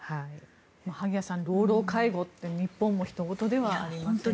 萩谷さん、老老介護って日本もひと事ではありませんね。